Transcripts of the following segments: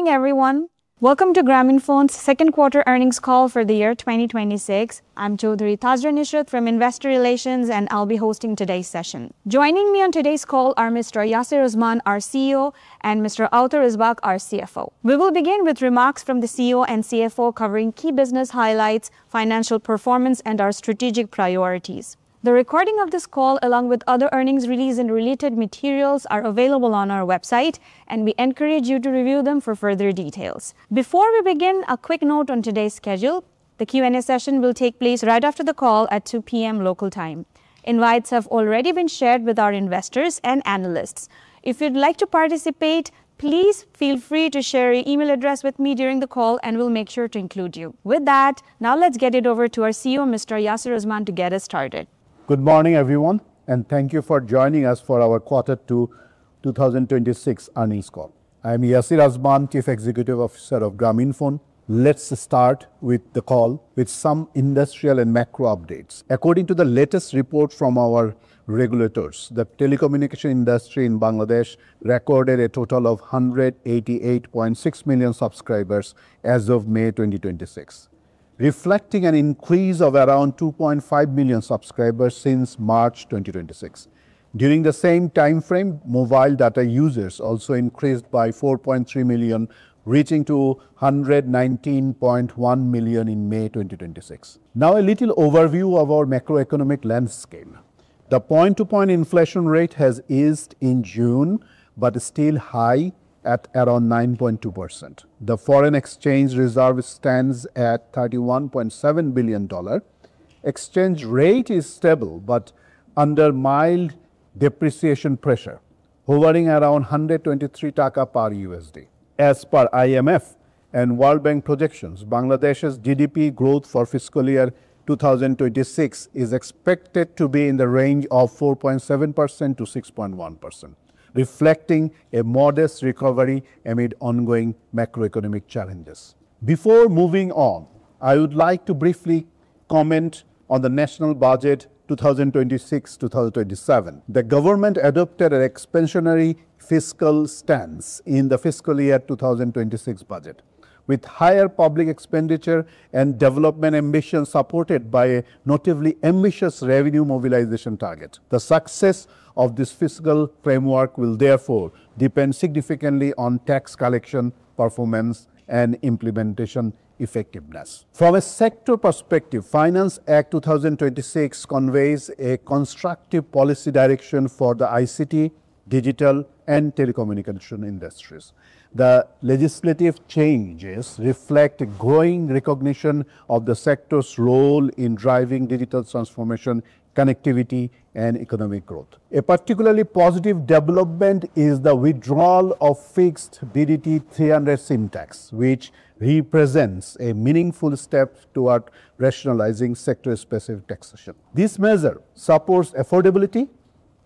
Good morning, everyone, welcome to Grameenphone's second quarter earnings call for the year 2026. I'm Chowdhury Tazrian Israt from Investor Relations, and I'll be hosting today's session. Joining me on today's call are Mr. Yasir Azman, our CEO, and Mr. Artur Risbak, our CFO. We will begin with remarks from the CEO and CFO covering key business highlights, financial performance, and our strategic priorities. The recording of this call, along with other earnings release and related materials, are available on our website, and we encourage you to review them for further details. Before we begin, a quick note on today's schedule. The Q&A session will take place right after the call at 2 P.M. local time. Invites have already been shared with our investors and analysts. If you'd like to participate, please feel free to share your email address with me during the call, and we'll make sure to include you. With that, now let's get it over to our CEO, Mr. Yasir Azman, to get us started. Good morning, everyone, and thank you for joining us for our Quarter 2 2026 earnings call. I am Yasir Azman, Chief Executive Officer of Grameenphone. Let us start the call with some industrial and macro updates. According to the latest report from our regulators, the telecommunication industry in Bangladesh recorded a total of 188.6 million subscribers as of May 2026, reflecting an increase of around 2.5 million subscribers since March 2026. During the same timeframe, mobile data users also increased by 4.3 million, reaching 119.1 million in May 2026. A little overview of our macroeconomic landscape. The point-to-point inflation rate has eased in June, but is still high at around 9.2%. The foreign exchange reserve stands at $31.7 billion. Exchange rate is stable, but under mild depreciation pressure, hovering around BDT 123 per USD. As per IMF and World Bank projections, Bangladesh's GDP growth for fiscal year 2026 is expected to be in the range of 4.7%-6.1%, reflecting a modest recovery amid ongoing macroeconomic challenges. Before moving on, I would like to briefly comment on the national budget 2026-2027. The government adopted an expansionary fiscal stance in the fiscal year 2026 budget, with higher public expenditure and development ambitions supported by a notably ambitious revenue mobilization target. The success of this fiscal framework will therefore depend significantly on tax collection performance and implementation effectiveness. From a sector perspective, Finance Act 2026 conveys a constructive policy direction for the ICT, digital, and telecommunication industries. The legislative changes reflect a growing recognition of the sector's role in driving digital transformation, connectivity, and economic growth. A particularly positive development is the withdrawal of fixed BDT 300 SIM tax, which represents a meaningful step toward rationalizing sector-specific taxation. This measure supports affordability,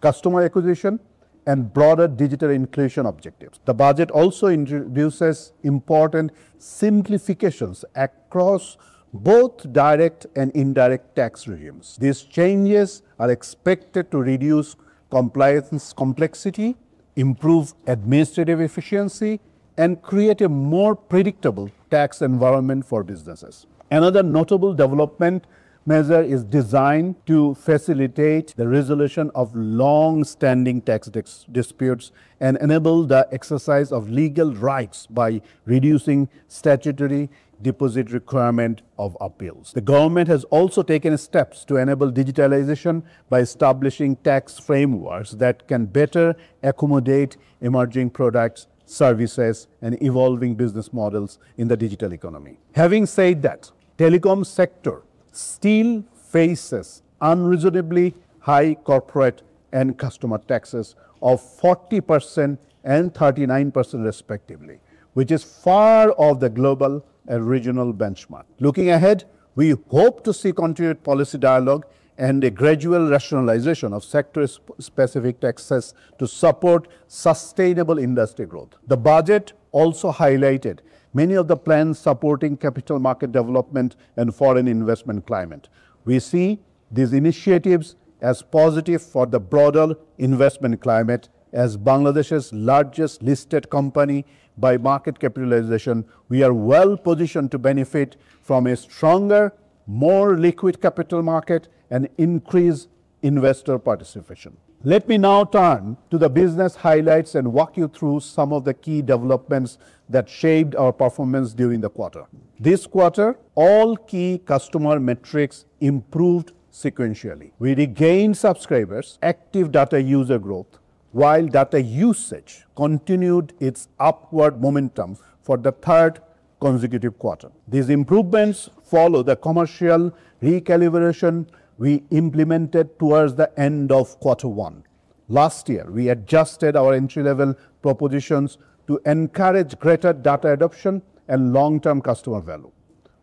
customer acquisition, and broader digital inclusion objectives. The budget also introduces important simplifications across both direct and indirect tax regimes. These changes are expected to reduce compliance complexity, improve administrative efficiency, and create a more predictable tax environment for businesses. Another notable development measure is designed to facilitate the resolution of longstanding tax disputes and enable the exercise of legal rights by reducing statutory deposit requirement of appeals. The government has also taken steps to enable digitalization by establishing tax frameworks that can better accommodate emerging products, services, and evolving business models in the digital economy. Having said that, telecom sector still faces unreasonably high corporate and customer taxes of 40% and 39% respectively, which is far off the global and regional benchmark. Looking ahead, we hope to see continued policy dialogue and a gradual rationalization of sector-specific taxes to support sustainable industry growth. The budget also highlighted many of the plans supporting capital market development and foreign investment climate. We see these initiatives as positive for the broader investment climate. As Bangladesh's largest listed company by market capitalization, we are well-positioned to benefit from a stronger, more liquid capital market and increased investor participation. Let me now turn to the business highlights and walk you through some of the key developments that shaped our performance during the quarter. This quarter, all key customer metrics improved sequentially. We regained subscribers, active data user growth, while data usage continued its upward momentum for the third consecutive quarter. These improvements follow the commercial recalibration we implemented towards the end of quarter one. Last year, we adjusted our entry-level propositions to encourage greater data adoption and long-term customer value.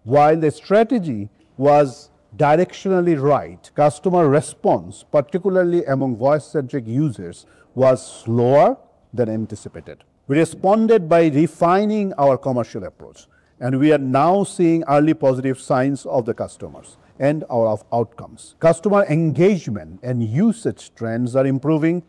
While the strategy was directionally right, customer response, particularly among voice-centric users, was slower than anticipated. We responded by refining our commercial approach, and we are now seeing early positive signs of the customers and of outcomes. Customer engagement and usage trends are improving.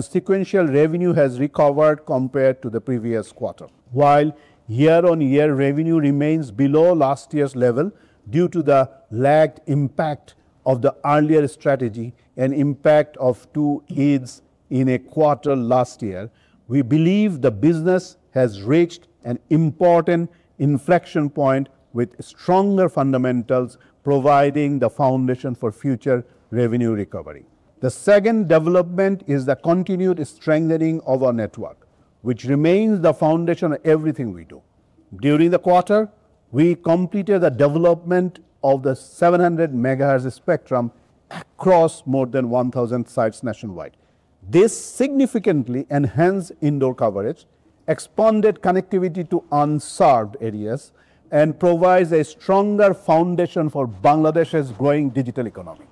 Sequential revenue has recovered compared to the previous quarter. While year-on-year revenue remains below last year's level due to the lagged impact of the earlier strategy and impact of two Eids in a quarter last year, we believe the business has reached an important inflection point with stronger fundamentals providing the foundation for future revenue recovery. The second development is the continued strengthening of our network, which remains the foundation of everything we do. During the quarter, we completed the development of the 700 MHz spectrum across more than 1,000 sites nationwide. This significantly enhanced indoor coverage, expanded connectivity to unserved areas, and provides a stronger foundation for Bangladesh's growing digital economy.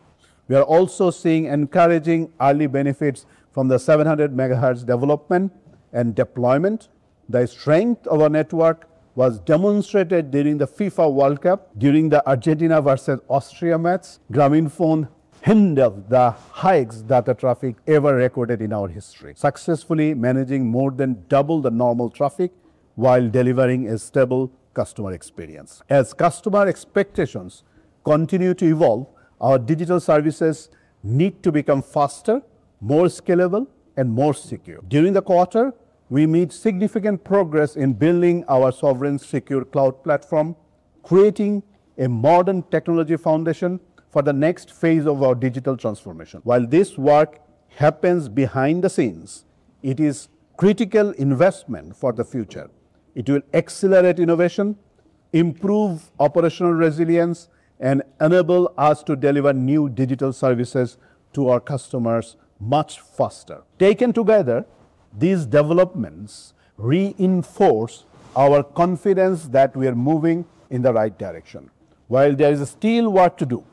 We are also seeing encouraging early benefits from the 700 MHz development and deployment. The strength of our network was demonstrated during the FIFA World Cup. During the Argentina versus Australia match, Grameenphone handled the highest data traffic ever recorded in our history, successfully managing more than double the normal traffic while delivering a stable customer experience. As customer expectations continue to evolve, our digital services need to become faster, more scalable, and more secure. During the quarter, we made significant progress in building our sovereign secure cloud platform, creating a modern technology foundation for the next phase of our digital transformation. While this work happens behind the scenes, it is critical investment for the future. It will accelerate innovation, improve operational resilience, and enable us to deliver new digital services to our customers much faster. Taken together, these developments reinforce our confidence that we're moving in the right direction. While there is still work to do,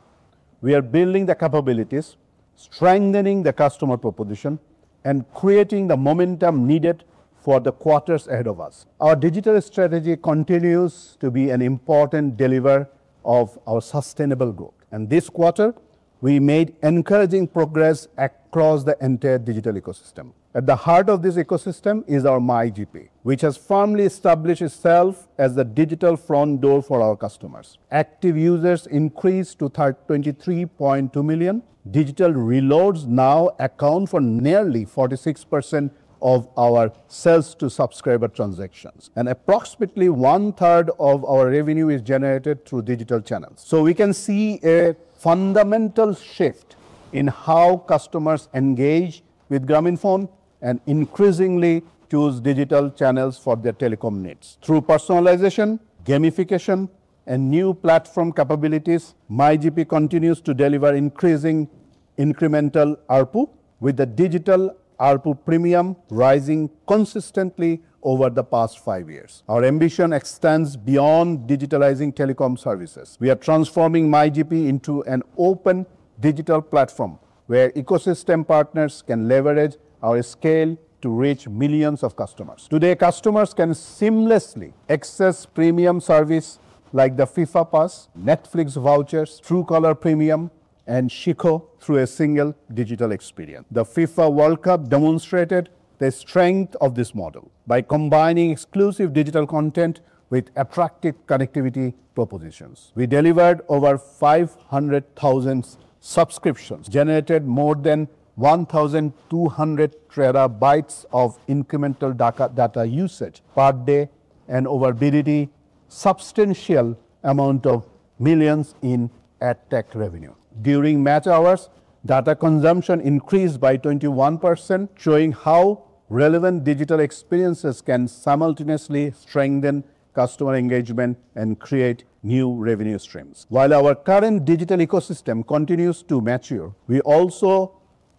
we are building the capabilities, strengthening the customer proposition, and creating the momentum needed for the quarters ahead of us. Our digital strategy continues to be an important deliverer of our sustainable growth, and this quarter, we made encouraging progress across the entire digital ecosystem. At the heart of this ecosystem is our MyGP, which has firmly established itself as the digital front door for our customers. Active users increased to 23.2 million. Digital reloads now account for nearly 46% of our sales-to-subscriber transactions. Approximately one-third of our revenue is generated through digital channels. We can see a fundamental shift in how customers engage with Grameenphone and increasingly choose digital channels for their telecom needs. Through personalization, gamification, and new platform capabilities, MyGP continues to deliver increasing incremental ARPU, with the digital ARPU premium rising consistently over the past five years. Our ambition extends beyond digitalizing telecom services. We are transforming MyGP into an open digital platform where ecosystem partners can leverage our scale to reach millions of customers. Today, customers can seamlessly access premium service like the FIFA Pass, Netflix vouchers, Truecaller Premium, and Shikho through a single digital experience. The FIFA World Cup demonstrated the strength of this model by combining exclusive digital content with attractive connectivity propositions. We delivered over 500,000 subscriptions, generated more than 1,200 terabytes of incremental data usage per day, and over BDT substantial amount of millions in ad tech revenue. During match hours, data consumption increased by 21%, showing how relevant digital experiences can simultaneously strengthen customer engagement and create new revenue streams. While our current digital ecosystem continues to mature, we also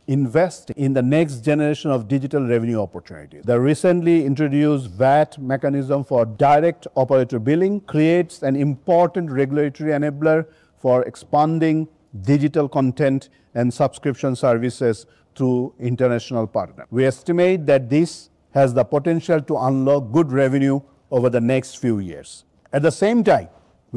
invest in the next generation of digital revenue opportunities. The recently introduced VAT mechanism for direct operator billing creates an important regulatory enabler for expanding digital content and subscription services to international partners. We estimate that this has the potential to unlock good revenue over the next few years. At the same time,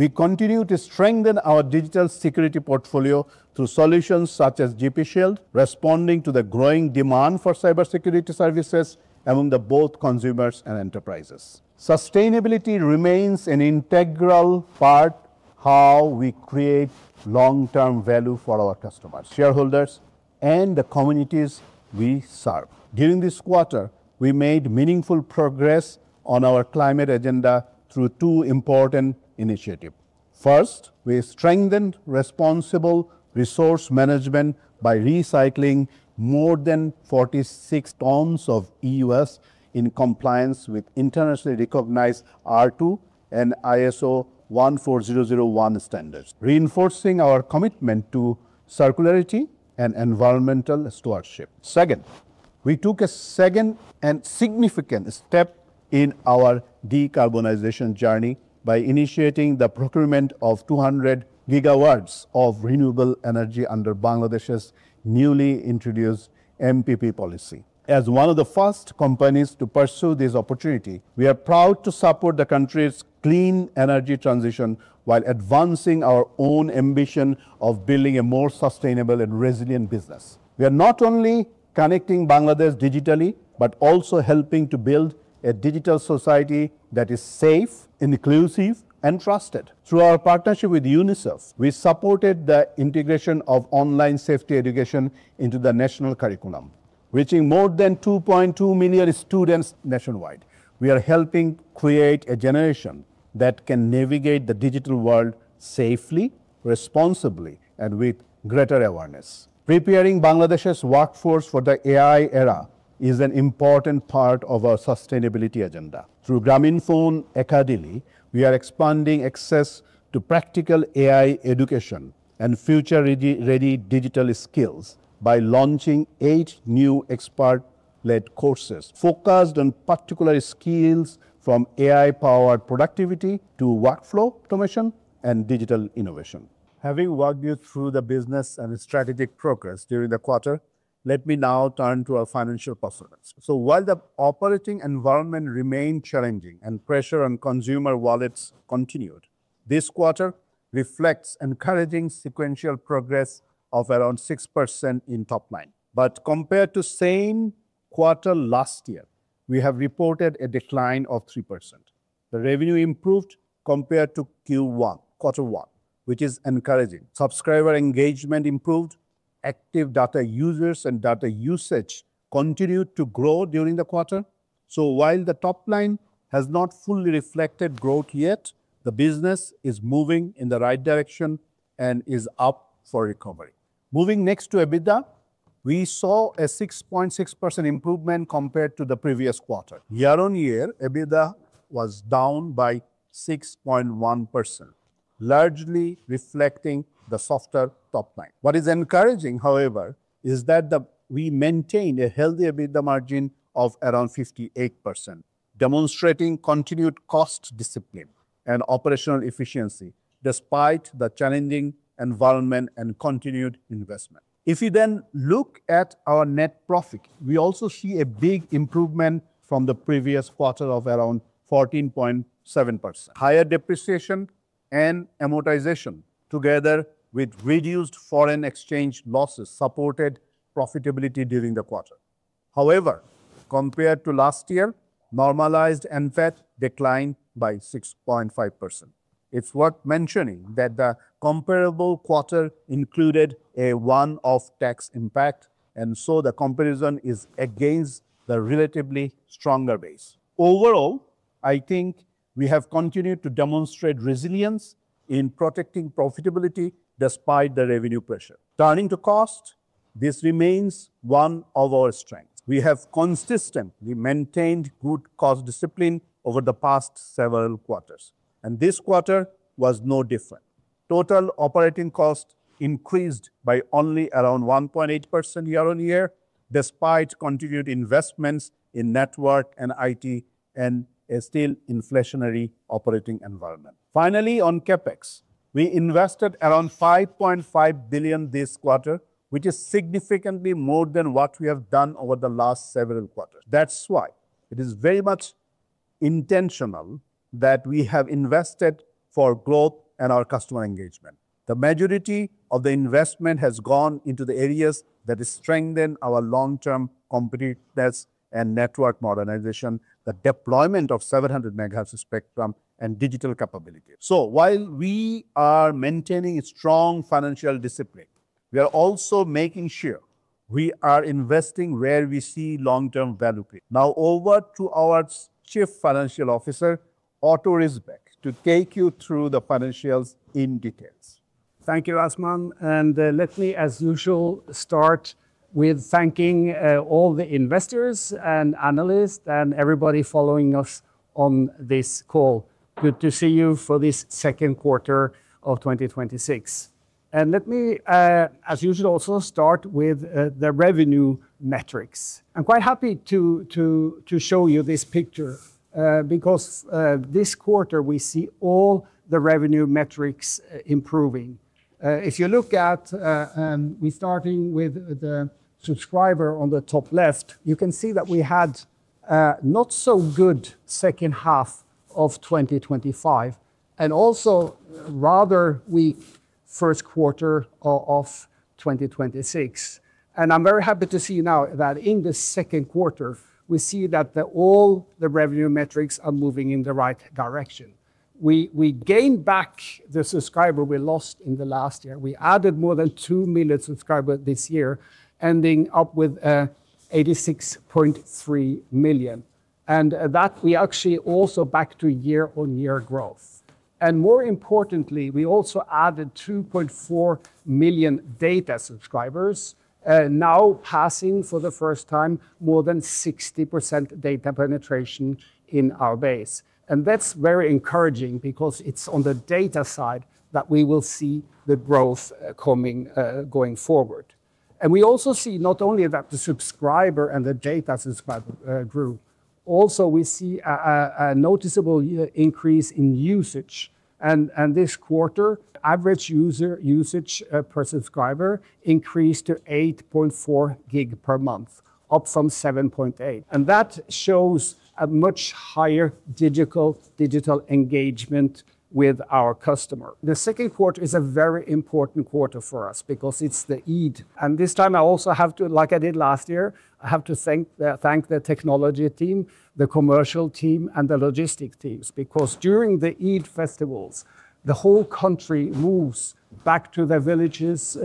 we continue to strengthen our digital security portfolio through solutions such as GP Shield, responding to the growing demand for cybersecurity services among both consumers and enterprises. Sustainability remains an integral part of how we create long-term value for our customers, shareholders, and the communities we serve. During this quarter, we made meaningful progress on our climate agenda through two important initiatives. First, we strengthened responsible resource management by recycling more than 46 tons of e-waste in compliance with internationally recognized R2 and ISO 14001 standards, reinforcing our commitment to circularity and environmental stewardship. Second, we took a second and significant step in our decarbonization journey by initiating the procurement of 200 GW of renewable energy under Bangladesh's newly introduced MPP policy. As one of the first companies to pursue this opportunity, we are proud to support the country's clean energy transition while advancing our own ambition of building a more sustainable and resilient business. We are not only connecting Bangladesh digitally, but also helping to build a digital society that is safe, inclusive, and trusted. Through our partnership with UNICEF, we supported the integration of online safety education into the national curriculum, reaching more than 2.2 million students nationwide. We are helping create a generation that can navigate the digital world safely, responsibly, and with greater awareness. Preparing Bangladesh's workforce for the AI era is an important part of our sustainability agenda. Through Grameenphone Academy, we are expanding access to practical AI education and future ready digital skills by launching eight new expert-led courses focused on particular skills from AI-powered productivity to workflow automation and digital innovation. Having walked you through the business and strategic progress during the quarter, let me now turn to our financial performance. While the operating environment remained challenging and pressure on consumer wallets continued, this quarter reflects encouraging sequential progress of around 6% in top line. Compared to same quarter last year, we have reported a decline of 3%. The revenue improved compared to Q1, which is encouraging. Subscriber engagement improved. Active data users and data usage continued to grow during the quarter. While the top line has not fully reflected growth yet, the business is moving in the right direction and is up for recovery. Moving next to EBITDA, we saw a 6.6% improvement compared to the previous quarter. Year-on-year, EBITDA was down by 6.1%, largely reflecting the softer top line. What is encouraging, however, is that we maintained a healthy EBITDA margin of around 58%, demonstrating continued cost discipline and operational efficiency despite the challenging environment and continued investment. If you then look at our net profit, we also see a big improvement from the previous quarter of around 14.7%. Higher depreciation and amortization, together with reduced foreign exchange losses, supported profitability during the quarter. However, compared to last year, normalized NPAT declined by 6.5%. It's worth mentioning that the comparable quarter included a one-off tax impact, so the comparison is against the relatively stronger base. Overall, I think we have continued to demonstrate resilience in protecting profitability despite the revenue pressure. Turning to cost, this remains one of our strengths. We have consistently maintained good cost discipline over the past several quarters, and this quarter was no different. Total operating cost increased by only around 1.8% year-on-year, despite continued investments in network and IT and a still inflationary operating environment. Finally, on CapEx, we invested around BDT 5.5 billion this quarter, which is significantly more than what we have done over the last several quarters. It is very much intentional that we have invested for growth and our customer engagement. The majority of the investment has gone into the areas that strengthen our long-term competitiveness and network modernization, the deployment of 700 MHz spectrum, and digital capability. While we are maintaining strong financial discipline, we are also making sure we are investing where we see long-term value. Now over to our Chief Financial Officer, Artur Risbak, to take you through the financials in detail. Thank you, Azman. Let me, as usual, start with thanking all the investors and analysts and everybody following us on this call. Good to see you for this second quarter of 2026. Let me, as usual, also start with the revenue metrics. I'm quite happy to show you this picture because this quarter we see all the revenue metrics improving. If you look at, we starting with the subscriber on the top left, you can see that we had a not so good second half of 2025, and also rather weak first quarter of 2026. I'm very happy to see now that in the second quarter, we see that all the revenue metrics are moving in the right direction. We gained back the subscriber we lost in the last year. We added more than 2 million subscribers this year, ending up with 86.3 million, that we actually also back to year-on-year growth. More importantly, we also added 2.4 million data subscribers, now passing for the first time more than 60% data penetration in our base. That's very encouraging because it's on the data side that we will see the growth going forward. We also see not only that the subscriber and the data subscriber grew. Also, we see a noticeable increase in usage. This quarter, average user usage per subscriber increased to 8.4 gig per month, up from 7.8 gig. That shows a much higher digital engagement with our customer. The second quarter is a very important quarter for us because it's the Eid. This time I also have to, like I did last year, I have to thank the technology team, the commercial team, and the logistic teams, because during the Eid festivals, the whole country moves back to their villages,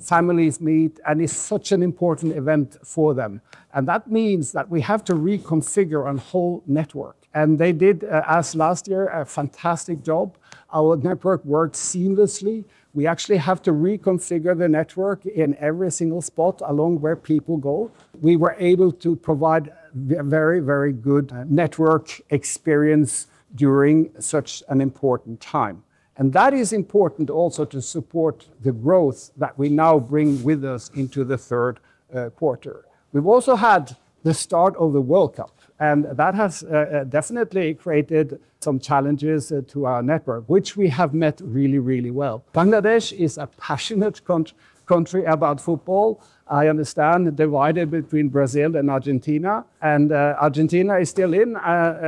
families meet, it's such an important event for them. That means that we have to reconfigure a whole network. They did, as last year, a fantastic job. Our network worked seamlessly. We actually have to reconfigure the network in every single spot along where people go. We were able to provide a very good network experience during such an important time. That is important also to support the growth that we now bring with us into the third quarter. We've also had the start of the World Cup, that has definitely created some challenges to our network, which we have met really well. Bangladesh is a passionate country about football. I understand the divide between Brazil and Argentina is still in,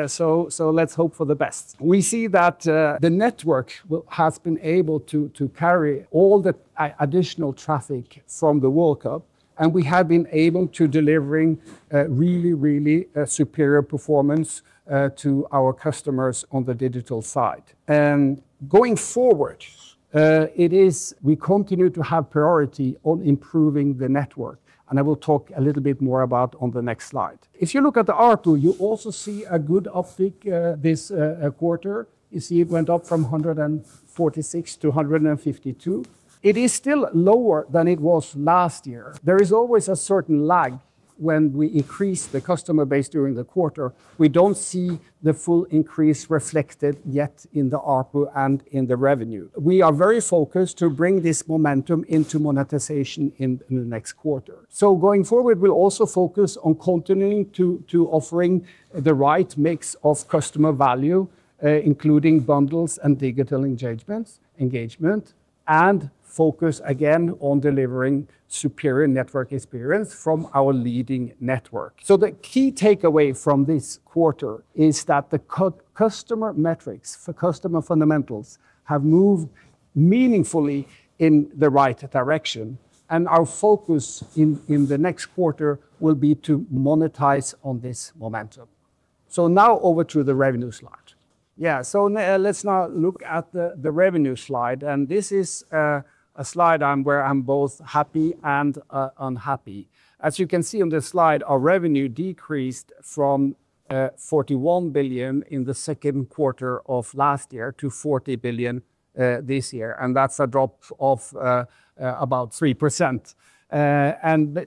so let's hope for the best. We see that the network has been able to carry all the additional traffic from the World Cup, we have been able to delivering really superior performance to our customers on the digital side. Going forward, we continue to have priority on improving the network. I will talk a little bit more about on the next slide. If you look at the ARPU, you also see a good uptick this quarter. You see it went up from BDT 146 to BDT 152. It is still lower than it was last year. There is always a certain lag when we increase the customer base during the quarter. We don't see the full increase reflected yet in the ARPU and in the revenue. We are very focused to bring this momentum into monetization in the next quarter. Going forward, we'll also focus on continuing to offering the right mix of customer value, including bundles and digital engagement, focus again on delivering superior network experience from our leading network. The key takeaway from this quarter is that the customer metrics for customer fundamentals have moved meaningfully in the right direction, our focus in the next quarter will be to monetize on this momentum. Now over to the revenue slide. Let's now look at the revenue slide. This is a slide where I'm both happy and unhappy. As you can see on this slide, our revenue decreased from BDT 41 billion in the second quarter of last year to BDT 40 billion this year. That's a drop of about 3%.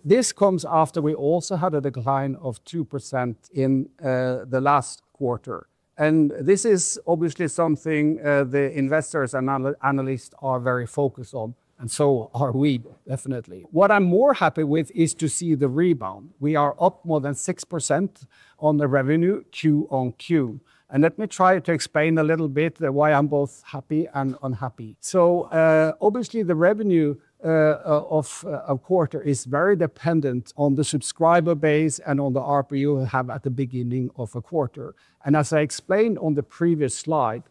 This comes after we also had a decline of 2% in the last quarter. This is obviously something the investors and analysts are very focused on, so are we, definitely. What I'm more happy with is to see the rebound. We are up more than 6% on the revenue Q-on-Q. Let me try to explain a little bit why I'm both happy and unhappy. Obviously the revenue of quarter is very dependent on the subscriber base and on the ARPU you have at the beginning of a quarter. As I explained on the previous slide,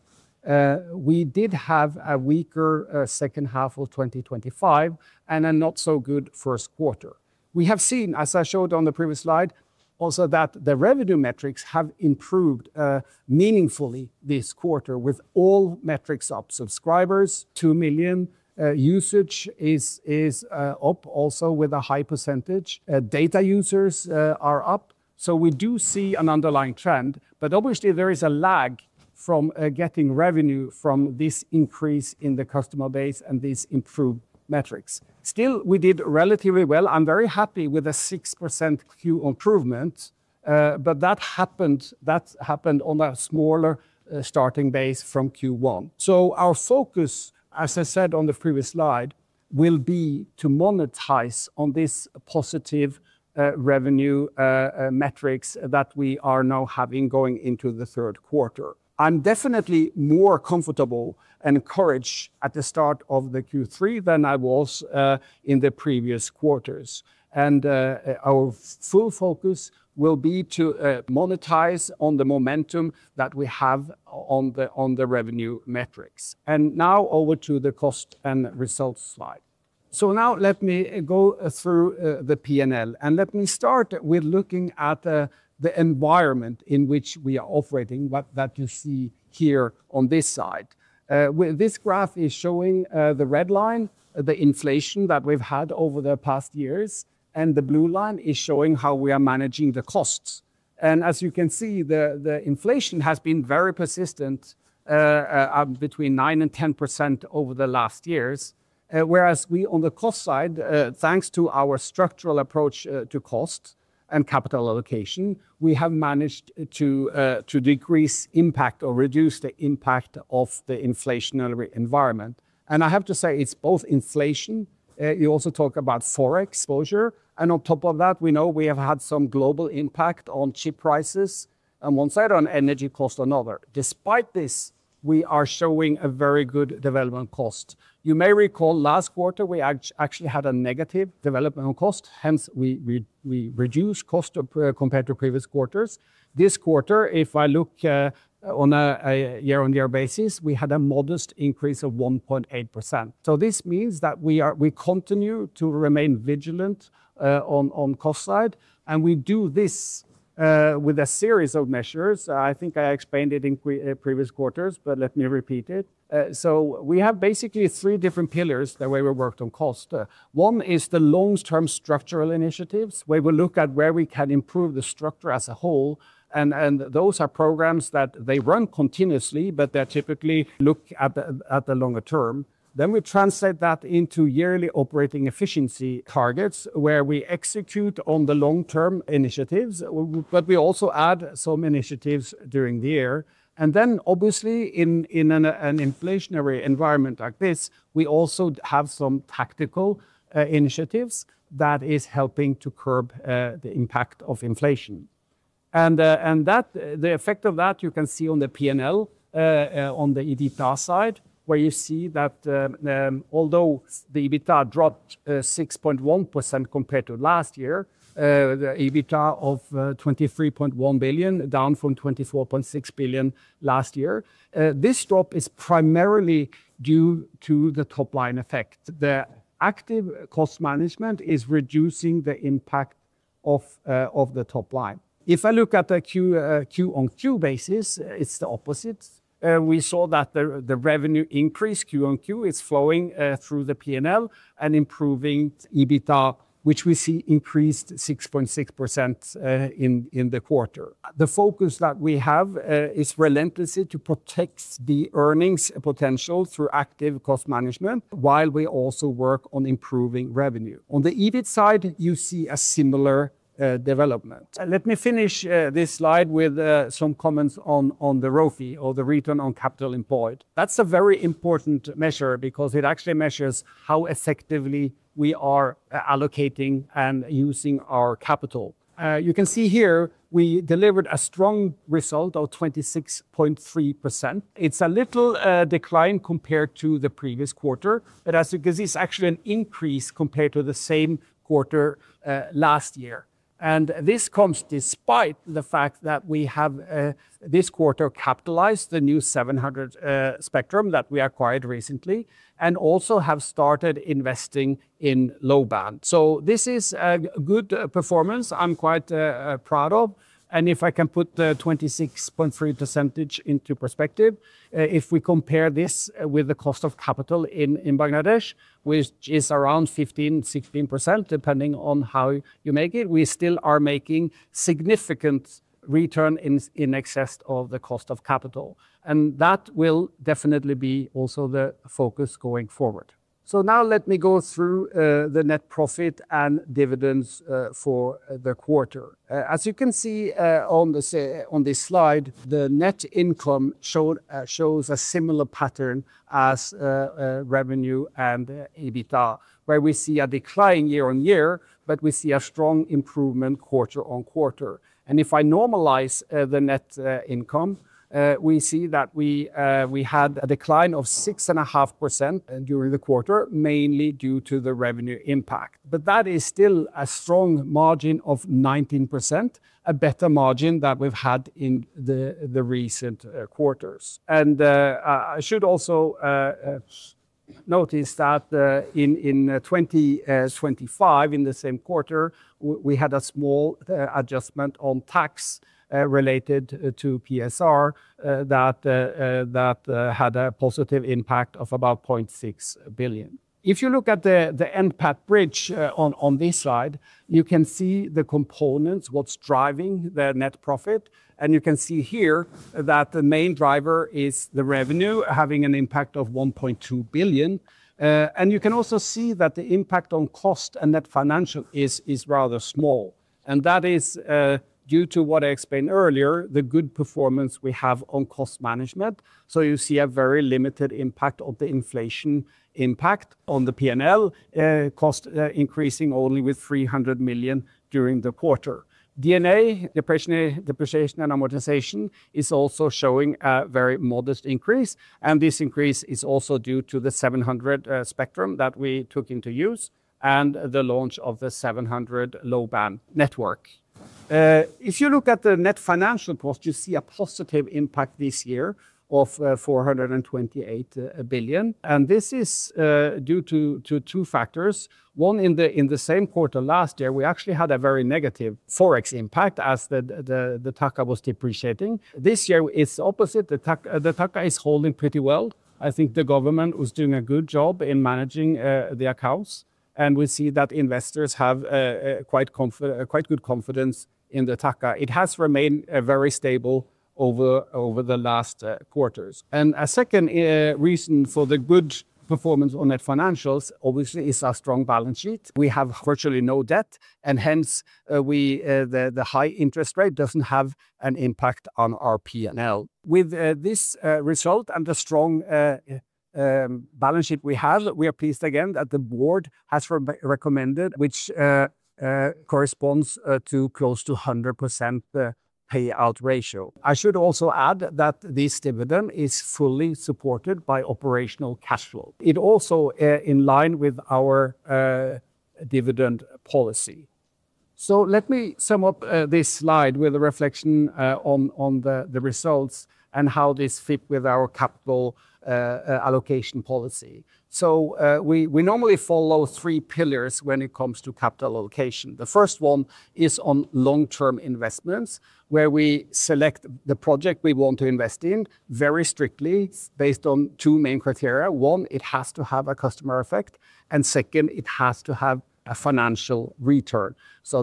we did have a weaker second half of 2025 and a not so good first quarter. We have seen, as I showed on the previous slide, also that the revenue metrics have improved meaningfully this quarter with all metrics up. Subscribers, 2 million. Usage is up also with a high percentage. Data users are up. We do see an underlying trend, but obviously there is a lag from getting revenue from this increase in the customer base and these improved metrics. Still, we did relatively well. I'm very happy with the 6% Q improvement. That happened on a smaller starting base from Q1. Our focus, as I said on the previous slide, will be to monetize on this positive revenue metrics that we are now having going into the third quarter. I'm definitely more comfortable and encouraged at the start of Q3 than I was in the previous quarters. Our full focus will be to monetize on the momentum that we have on the revenue metrics. Now over to the cost and results slide. Now let me go through the P&L, and let me start with looking at the environment in which we are operating. What that you see here on this side. This graph is showing the red line, the inflation that we've had over the past years, and the blue line is showing how we are managing the costs. As you can see, the inflation has been very persistent, between 9% and 10% over the last years. Whereas we, on the cost side, thanks to our structural approach to cost and capital allocation, we have managed to decrease impact or reduce the impact of the inflationary environment. I have to say, it's both inflation, you also talk about ForEx exposure, on top of that, we know we have had some global impact on chip prices on one side, on energy cost on another. Despite this, we are showing a very good development cost. You may recall last quarter, we actually had a negative development cost, hence we reduced cost compared to previous quarters. This quarter, if I look on a year-on-year basis, we had a modest increase of 1.8%. This means that we continue to remain vigilant on cost side. We do this with a series of measures. I think I explained it in previous quarters, but let me repeat it. We have basically three different pillars the way we worked on cost. One is the long-term structural initiatives, where we look at where we can improve the structure as a whole, and those are programs that they run continuously, but they typically look at the longer term. We translate that into yearly operating efficiency targets, where we execute on the long-term initiatives. We also add some initiatives during the year. Obviously in an inflationary environment like this, we also have some tactical initiatives that is helping to curb the impact of inflation. The effect of that you can see on the P&L on the EBITDA side, where you see that although the EBITDA dropped 6.1% compared to last year, the EBITDA of BDT 23.1 billion, down from BDT 24.6 billion last year. This drop is primarily due to the top-line effect. The active cost management is reducing the impact of the top line. If I look at the Q-on-Q basis, it's the opposite. We saw that the revenue increase Q-on-Q is flowing through the P&L and improving EBITDA, which we see increased 6.6% in the quarter. The focus that we have is relentlessly to protect the earnings potential through active cost management while we also work on improving revenue. On the EBIT side, you see a similar development. Let me finish this slide with some comments on the ROICE or the return on capital employed. That is a very important measure because it actually measures how effectively we are allocating and using our capital. You can see here we delivered a strong result of 26.3%. It is a little decline compared to the previous quarter, but as you can see, it is actually an increase compared to the same quarter last year. This comes despite the fact that we have this quarter capitalized the new 700 spectrum that we acquired recently and also have started investing in low band. This is a good performance I am quite proud of. If I can put the 26.3% into perspective, if we compare this with the cost of capital in Bangladesh, which is around 15%-16%, depending on how you make it, we still are making significant return in excess of the cost of capital. That will definitely be also the focus going forward. Now let me go through the net profit and dividends for the quarter. As you can see on this slide, the net income shows a similar pattern as revenue and EBITDA, where we see a decline year-on-year, but we see a strong improvement quarter-on-quarter. If I normalize the net income, we see that we had a decline of 6.5% during the quarter, mainly due to the revenue impact. That is still a strong margin of 19%, a better margin than we have had in the recent quarters. I should also notice that in 2025, in the same quarter, we had a small adjustment on tax related to PSR that had a positive impact of about BDT 0.6 billion. If you look at the NPAT bridge on this slide, you can see the components, what is driving their net profit, and you can see here that the main driver is the revenue having an impact of BDT 1.2 billion. You can also see that the impact on cost and net financial is rather small. That is due to what I explained earlier, the good performance we have on cost management. You see a very limited impact of the inflation impact on the P&L cost increasing only with BDT 300 million during the quarter. D&A, depreciation and amortization, is also showing a very modest increase, and this increase is also due to the 700 spectrum that we took into use and the launch of the 700 low-band network. If you look at the net financial cost, you see a positive impact this year of BDT 428 million. This is due to two factors. One, in the same quarter last year, we actually had a very negative ForEx impact as the taka was depreciating. This year it is opposite. The taka is holding pretty well. I think the government was doing a good job in managing the accounts, and we see that investors have quite good confidence in the taka. It has remained very stable over the last quarters. A second reason for the good performance on net financials obviously is our strong balance sheet. We have virtually no debt, hence the high interest rate doesn't have an impact on our P&L. With this result and the strong balance sheet we have, we are pleased again that the board has recommended, which corresponds to close to 100% payout ratio. I should also add that this dividend is fully supported by operational cash flow. It also in line with our dividend policy. Let me sum up this slide with a reflection on the results and how this fit with our capital allocation policy. We normally follow three pillars when it comes to capital allocation. The first one is on long-term investments, where we select the project we want to invest in very strictly based on two main criteria. One, it has to have a customer effect, and second, it has to have a financial return.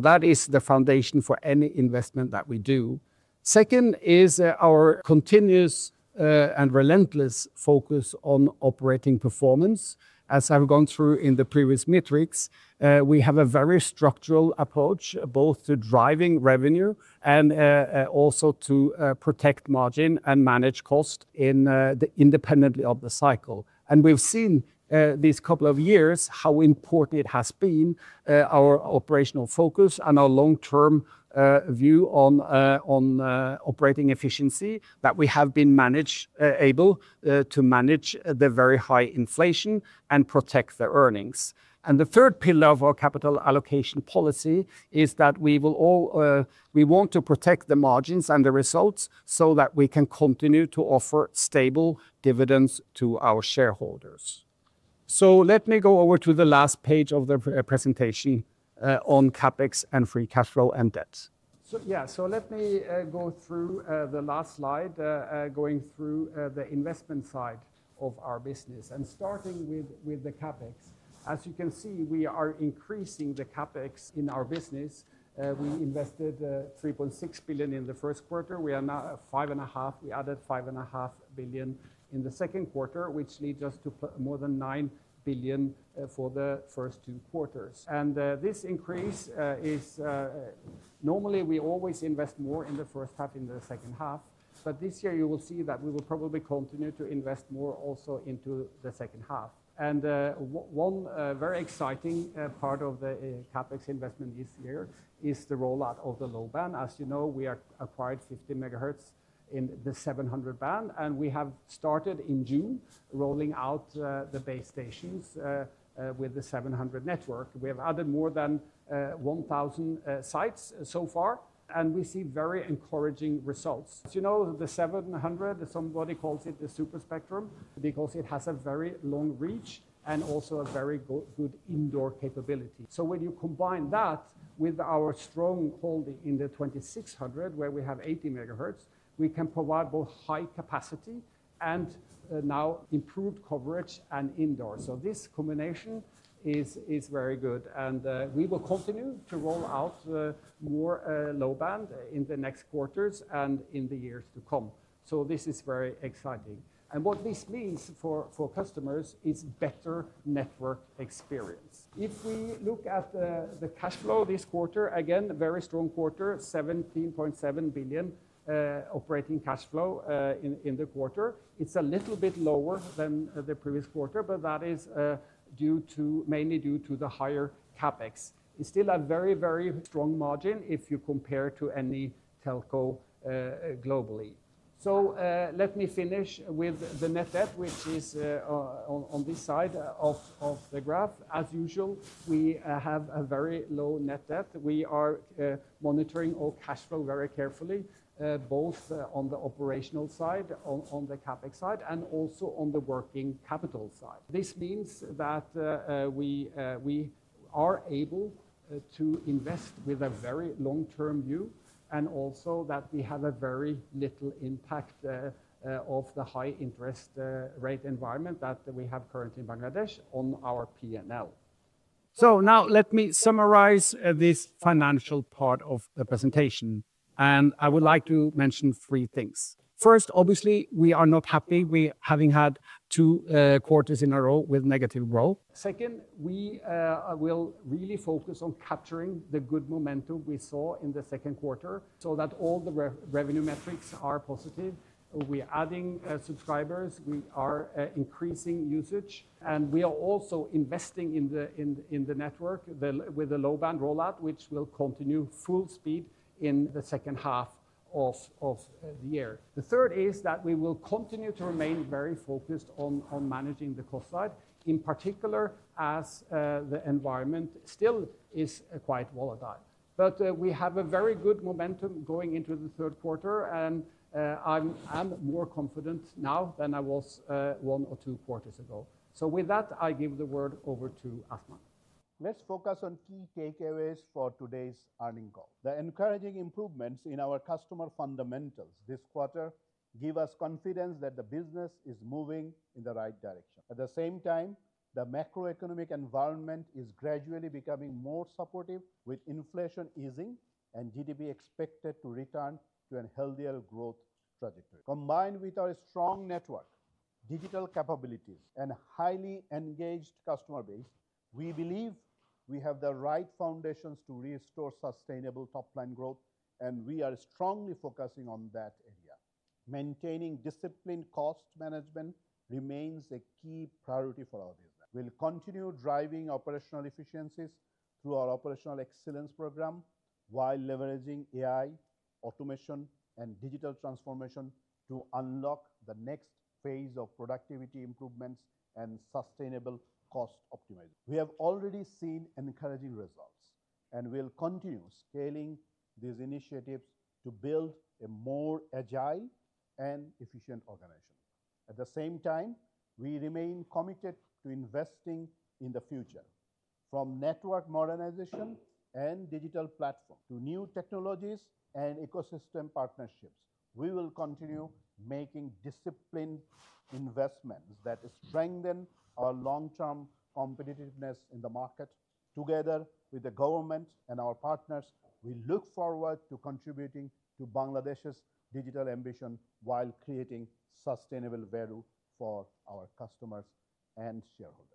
That is the foundation for any investment that we do. Second is our continuous and relentless focus on operating performance. As I've gone through in the previous metrics, we have a very structural approach both to driving revenue and also to protect margin and manage cost independently of the cycle. We've seen these couple of years how important it has been our operational focus and our long-term view on operating efficiency that we have been able to manage the very high inflation and protect the earnings. The third pillar of our capital allocation policy is that we want to protect the margins and the results so that we can continue to offer stable dividends to our shareholders. Let me go over to the last page of the presentation on CapEx and free cash flow and debt. Let me go through the last slide going through the investment side of our business and starting with the CapEx. As you can see, we are increasing the CapEx in our business. We invested BDT 3.6 billion in the first quarter. We added BDT 5.5 billion in the second quarter, which leads us to more than BDT 9 billion for the first two quarters. This increase is normally we always invest more in the first half than the second half, but this year you will see that we will probably continue to invest more also into the second half. One very exciting part of the CapEx investment this year is the rollout of the low band. As you know, we acquired 50 MHz in the 700 band, and we have started in June rolling out the base stations with the 700 network. We have added more than 1,000 sites so far, we see very encouraging results. As you know, the 700, somebody calls it the super spectrum because it has a very long reach and also a very good indoor capability. When you combine that with our strong holding in the 2600 where we have 80 MHz, we can provide both high capacity and now improved coverage and indoors. This combination is very good and we will continue to roll out more low band in the next quarters and in the years to come. This is very exciting. What this means for customers is better network experience. If we look at the cash flow this quarter, again, very strong quarter, BDT 17.7 billion operating cash flow in the quarter. It's a little bit lower than the previous quarter, but that is mainly due to the higher CapEx. It's still a very strong margin if you compare to any telco globally. Let me finish with the net debt, which is on this side of the graph. As usual, we have a very low net debt. We are monitoring all cash flow very carefully both on the operational side, on the CapEx side, and also on the working capital side. This means that we are able to invest with a very long-term view and also that we have a very little impact of the high interest rate environment that we have currently in Bangladesh on our P&L. Now let me summarize this financial part of the presentation, and I would like to mention three things. First, obviously, we are not happy having had two quarters in a row with negative growth. Second, we will really focus on capturing the good momentum we saw in the second quarter so that all the revenue metrics are positive. We are adding subscribers, we are increasing usage, and we are also investing in the network with the low-band rollout, which will continue full speed in the second half of the year. The third is that we will continue to remain very focused on managing the cost side, in particular as the environment still is quite volatile. We have a very good momentum going into the third quarter and I'm more confident now than I was one or two quarters ago. With that, I give the word over to Azman. Let's focus on key takeaways for today's earning call. The encouraging improvements in our customer fundamentals this quarter give us confidence that the business is moving in the right direction. At the same time, the macroeconomic environment is gradually becoming more supportive with inflation easing and GDP expected to return to a healthier growth trajectory. Combined with our strong network, digital capabilities, and highly engaged customer base, we believe we have the right foundations to restore sustainable top-line growth, and we are strongly focusing on that area. Maintaining disciplined cost management remains a key priority for our business. We'll continue driving operational efficiencies through our operational excellence program while leveraging AI, automation, and digital transformation to unlock the next phase of productivity improvements and sustainable cost optimization. We have already seen encouraging results, and we'll continue scaling these initiatives to build a more agile and efficient organization. At the same time, we remain committed to investing in the future. From network modernization and digital platforms to new technologies and ecosystem partnerships, we will continue making disciplined investments that strengthen our long-term competitiveness in the market. Together with the government and our partners, we look forward to contributing to Bangladesh's digital ambition while creating sustainable value for our customers and shareholders.